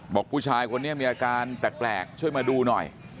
บอกผู้ชายคนนี้มีอาการแปลกช่วยมาดูหน่อย